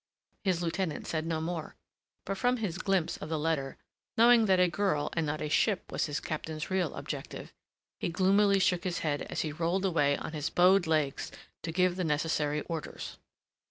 His lieutenant said no more. But from his glimpse of the letter, knowing that a girl and not a ship was his captain's real objective, he gloomily shook his head as he rolled away on his bowed legs to give the necessary orders.